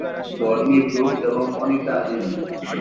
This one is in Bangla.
রডনি ব্রুকস এবং অনিতা এম।